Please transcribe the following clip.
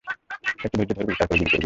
একটু ধৈর্য ধরবি, তারপর গুলি করবি।